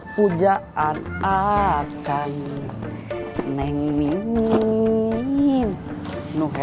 fakat kadang ingatlah